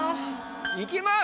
いきます。